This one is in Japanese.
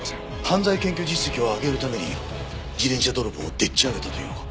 犯罪検挙実績を上げるために自転車泥棒をでっち上げたと言うのか？